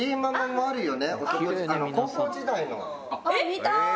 ・見たい！